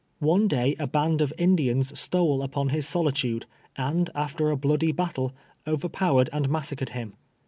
One day a band of Indians stole n])on his solitude, and after a bloody battle, overpowered and massacred him.